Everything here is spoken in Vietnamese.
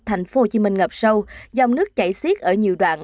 thành phố hồ chí minh ngập sâu dòng nước chảy xiết ở nhiều đoạn